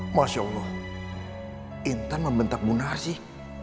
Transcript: masya allah intan membentak munar sih